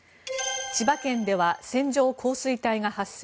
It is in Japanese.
千葉県では線状降水帯が発生。